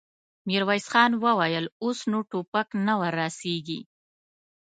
ميرويس خان وويل: اوس نو ټوپک نه ور رسېږي.